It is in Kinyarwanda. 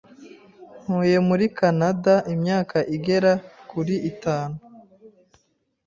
Ntuye muri Kanada imyaka igera kuri itanu.